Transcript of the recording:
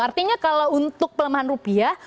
artinya kalau untuk pelemahan rupiah